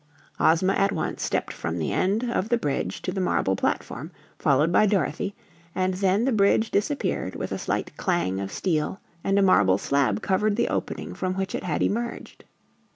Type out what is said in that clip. Ozma at once stepped from the end of the bridge to the marble platform, followed by Dorothy, and then the bridge disappeared with a slight clang of steel and a marble slab covered the opening from which it had emerged.